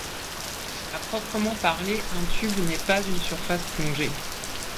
À proprement parler, un tube n'est pas une surface plongée.